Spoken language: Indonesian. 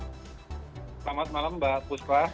selamat malam mbak puskla